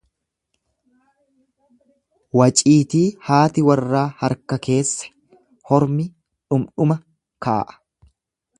Waciitii haati warraa harka keesse hormi dhumdhuma kaa'a.